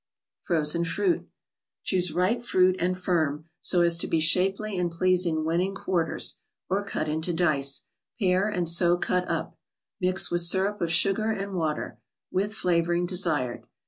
ICED PUDDINGS, ETC. 53 jffVOJCiT ^oose r 'P e ^ ru ^» an< 3 firm, so as to be shapely and pleasing when in quarters, or cut into dice. Pare and so cut up. Mix with syrup of sugar and water; with flavoring desired.